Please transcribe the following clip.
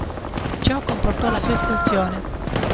Ciò comportò la sua espulsione.